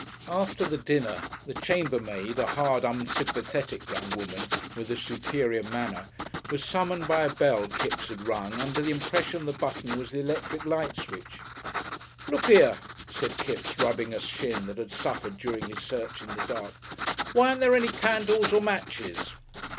After the dinner the chambermaid, a hard, unsympathetic young woman with a superior manner, was summoned by a bell Kipps had rung under the impression the button was the electric light switch. "Look 'ere," said Kipps, rubbing a shin that had suffered during his search in the dark, "why aren't there any candles or matches?"